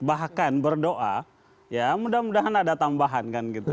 bahkan berdoa ya mudah mudahan ada tambahan kan gitu